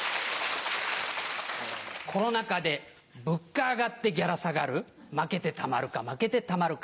コロナ禍で物価上がってギャラ下がる負けてたまるか負けてたまるか。